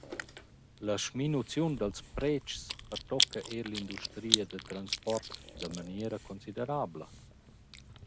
La schminuziun dals predschs pertocca eir l’industria da transport da maniera considerabla.